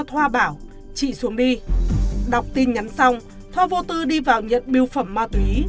thoa bảo chị xuống đi đọc tin nhắn xong thoa vô tư đi vào nhận biêu phẩm ma túy